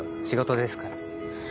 仕事ですから。